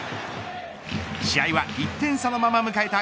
試合は１点差のまま迎えた